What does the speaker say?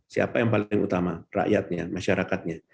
siapa yang paling utama rakyatnya masyarakatnya